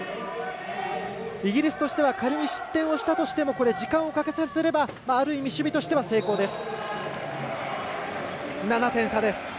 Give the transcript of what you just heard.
イギリスとしては仮に失点したとしても時間をかけさせればある意味、守備としては成功です。